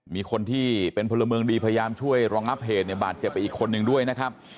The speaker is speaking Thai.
มีคนที่เป็นพลเมืองดีพยายามช่วยรองับเหตุเนี่ยบาดเจ็บไปอีกคนนึงด้วยนะครับ